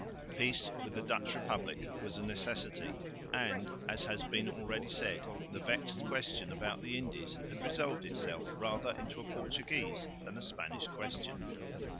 Peace with the Dutch Republic was a necessity; and, as has been already said, the vexed question about the Indies had resolved itself rather into a Portuguese than a Spanish question.